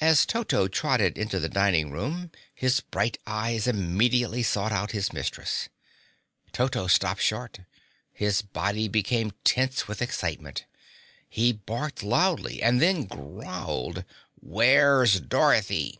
As Toto trotted into the dining room, his bright little eyes immediately sought out his mistress. Toto stopped short; his body became tense with excitement. He barked loudly and then growled, "Where's Dorothy?"